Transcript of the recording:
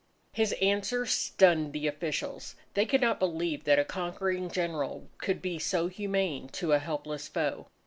His answer stunned the officials. They could not believe that a conquering general could be so humane to a helpless foe.